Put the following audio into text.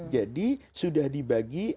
jadi sudah dibagi